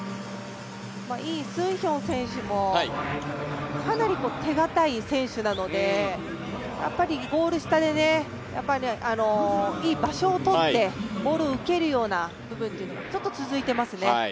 イ・スンヒョン選手もかなり手堅い選手なので、ゴール下でいい場所を取ってボールを受けるような部分というのがちょっと続いてますね。